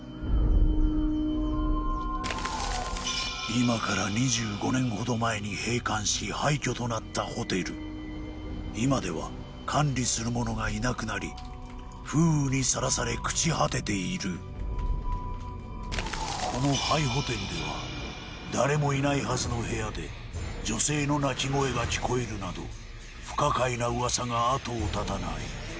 今から２５年ほど前に閉館し廃虚となったホテル今では管理する者がいなくなり風雨にさらされ朽ち果てているこの廃ホテルでは誰もいないはずの部屋で女性の泣き声が聞こえるなど不可解な噂が後を絶たない